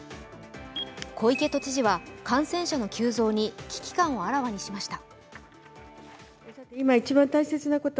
小池都知事は感染者の急増に危機感をあらわにしました。